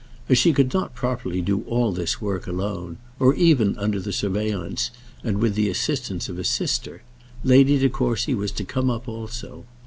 As she could not properly do all this work alone, or even under the surveillance and with the assistance of a sister, Lady De Courcy was to come up also.